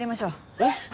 えっ。